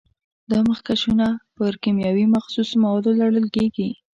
دا مخکشونه پر کیمیاوي مخصوصو موادو لړل کېږي.